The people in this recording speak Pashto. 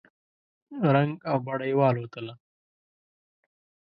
رنګ او بڼه یې والوتله !